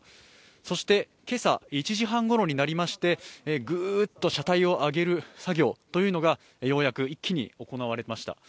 そして今朝１時半ごろになりまして、グーッと車体を上げる作業というのがようやく、一気に行われました。